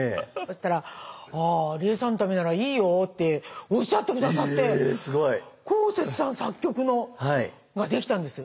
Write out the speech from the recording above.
そしたら「あ理恵さんのためならいいよ」っておっしゃって下さってこうせつさん作曲のができたんです。